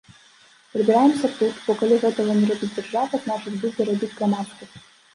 Прыбіраемся тут, бо калі гэтага не робіць дзяржава, значыць будзе рабіць грамадскасць.